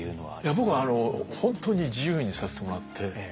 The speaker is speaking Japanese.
僕は本当に自由にさせてもらって。